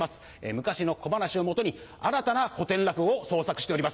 昔の小噺を基に新たな古典落語を創作しております。